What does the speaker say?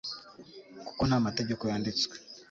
kuko nta mategeko yanditswe